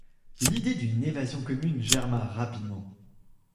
L'idée d'une évasion commune germa rapidement.